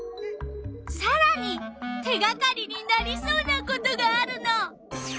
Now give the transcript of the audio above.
さらに手がかりになりそうなことがあるの。